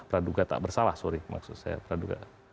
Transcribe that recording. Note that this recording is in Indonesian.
praduga tak bersalah sorry maksud saya praduga